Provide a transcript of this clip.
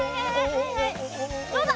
どうだ？